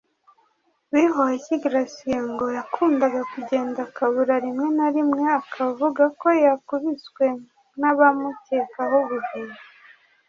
Bihoyiki Gratien ngo yakundaga kugenda akabura rimwe na rimwe akavuga ko yakubiswe n’abamukekaho ubujura